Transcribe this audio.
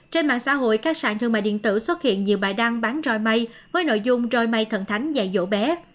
trên mạng xã hội các sàn thương mại điện tử xuất hiện nhiều bài đăng bán roi mây với nội dung roi mây thần thánh dạy dỗ bé